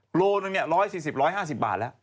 โลหนึ่ง๑๔๐๑๕๐บาทแล้ว